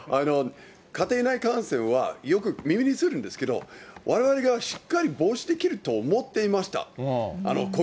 家庭内感染は、よく耳にするんですけど、われわれがしっかり防止できると思っていました。